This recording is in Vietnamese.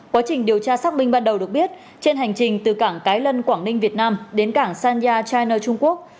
quá trình điều tra xác minh ban đầu được biết trên hành trình từ cảng cái lân quảng ninh việt nam đến cảng sanya china trung quốc